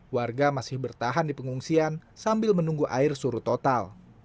warga masih bertahan di pengungsian sambil menunggu air surut total